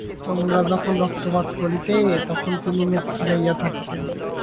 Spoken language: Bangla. তোমরা যখন রক্তপাত করিতে তখন তিনি মুখ ফিরাইয়া থাকিতেন।